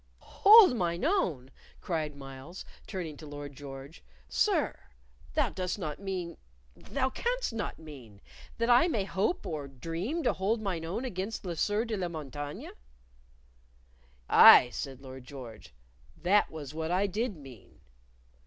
"Hold mine own?" cried Myles, turning to Lord George. "Sir; thou dost not mean thou canst not mean, that I may hope or dream to hold mine own against the Sieur de la Montaigne." "Aye," said Lord George, "that was what I did mean."